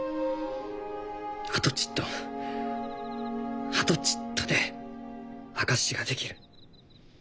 あとちっとあとちっとで証しができる。